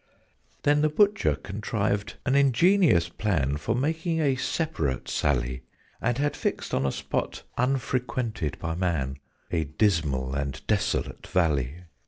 Then the Butcher contrived an ingenious plan For making a separate sally; And had fixed on a spot unfrequented by man, A dismal and desolate valley.